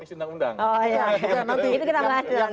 itu kita bahas lagi ya mas